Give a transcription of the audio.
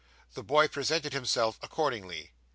The boy presented himself accordingly.